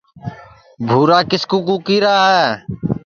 بُھورا کِس کُو کُکی را ہے